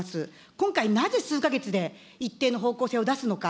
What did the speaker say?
今回、なぜ数か月で一定の方向性を出すのか。